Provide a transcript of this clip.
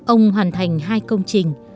ông hoàn thành hai công trình